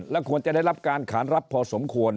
และควรจะได้รับการขานรับพอสมควร